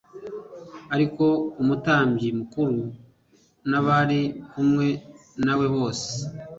ariko umutambyi mukuru n abari kumwe na we bose